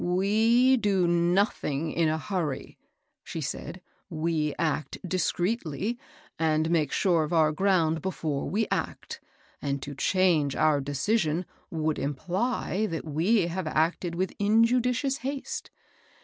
" We do nothing in a hurry," she said ;" we act discreetly, and make sure of our ground before we act ; and to change our decision would imply that we have acted witli injudicious haste.